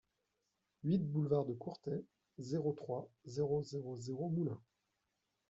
huit boulevard de Courtais, zéro trois, zéro zéro zéro Moulins